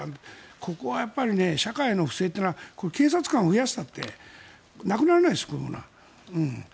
ここは社会の不正っていうのは警察官を増やしたってなくならないです